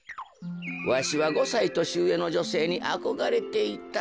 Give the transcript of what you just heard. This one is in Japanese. わしは５さいとしうえのじょせいにあこがれていた。